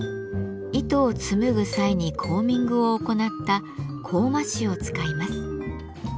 糸を紡ぐ際にコーミングを行った「コーマ糸」を使います。